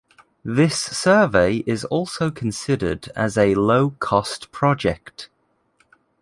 This survey is also considered as a low-cost project.